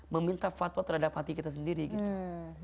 meminta fatwa terhadap hati kita sendiri gitu